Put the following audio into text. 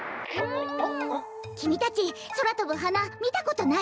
きみたちそらとぶはなみたことない？